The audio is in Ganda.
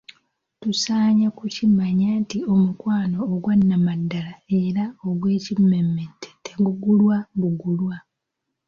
Tusaanye tukimanye nti Omukwano ogwannamaddala era ogw'ekimmemmette tegugulwa bugulwa.